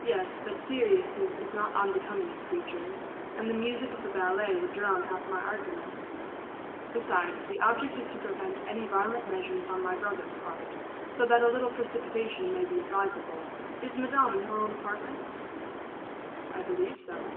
"Yes; but seriousness is not unbecoming in preachers, and the music of the ballet would drown half my arguments. Besides, the object is to prevent any violent measures on my brother's part, so that a little precipitation may be advisable. Is Madame in her own apartment?" "I believe so."